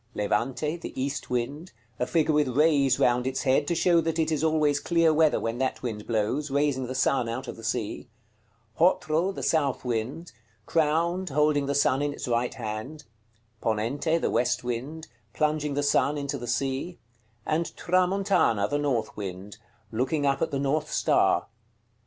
Levante, the east wind; a figure with rays round its head, to show that it is always clear weather when that wind blows, raising the sun out of the sea: Hotro, the south wind; crowned, holding the sun in its right hand; Ponente, the west wind; plunging the sun into the sea: and Tramontana, the north wind; looking up at the north star.